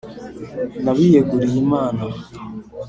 n’abiyeguriyimana